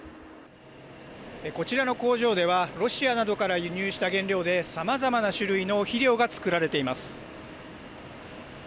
こちらの工場ではロシアなどから輸入した原料でさまざまな種類の肥料がつくられています。